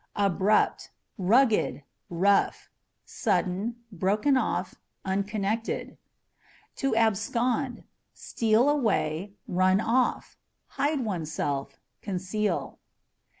Abrupt â€" rugged, rough ; sudden, broken off, unconnected. To Abscond â€" steal away, run off, hide oneself; conceal.